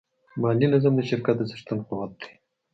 مالي نظم د شرکت د څښتن قوت دی.